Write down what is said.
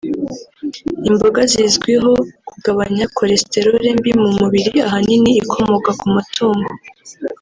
Imboga zizwiho kugabanya Cholesterole mbi mu mubiri ahanini ikomoka ku matungo